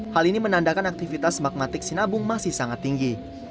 hal ini menandakan aktivitas magmatik sinabung masih sangat tinggi